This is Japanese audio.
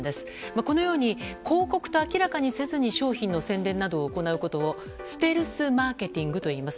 このように広告と明らかにせずに商品の宣伝をすることなどをステルスマーケティングといいます。